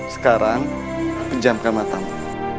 sekarang penjamkan matamu